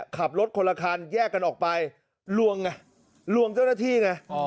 ขับรถคนละคันแยกกันออกไปลวงไงลวงเจ้าหน้าที่ไง